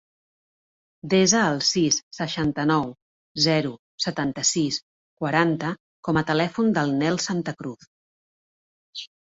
Desa el sis, seixanta-nou, zero, setanta-sis, quaranta com a telèfon del Nel Santa Cruz.